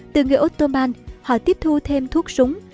từ người ottoman họ tiếp thu thêm thuốc súng